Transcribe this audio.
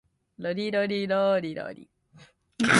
ロリロリローリロリ